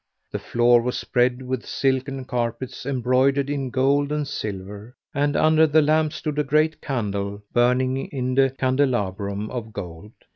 The floor was spread with silken carpets embroidered in gold and silver, and under the lamp stood a great candle, burning in a candelabrum of gold.